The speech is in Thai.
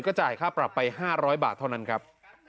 จ่ายค่าปรับไป๕๐๐บาทเท่านั้นครับ